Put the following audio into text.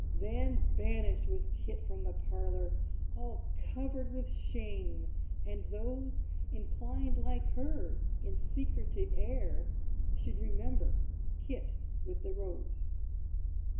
Then, banished was Kit from the parlor, All covered with shame! And those Inclined, like her, in secret to err, Should remember Kit with the Rose.